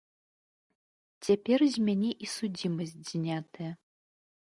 Цяпер з мяне і судзімасць знятая.